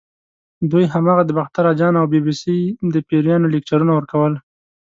دوی هماغه د باختر اجان او بي بي سۍ د پیریانو لیکچرونه ورکول.